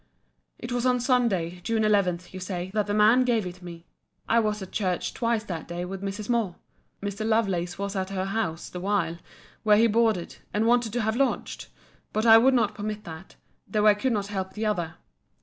It was on Sunday, June 11, you say, that the man gave it me. I was at church twice that day with Mrs. Moore. Mr. Lovelace was at her house the while, where he boarded, and wanted to have lodged; but I would not permit that, though I could not help the other.